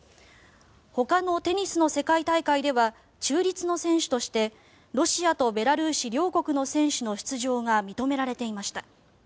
ほかのテニスの世界大会では中立の選手としてロシアとベラルーシ両国の選手の出場が認められていました。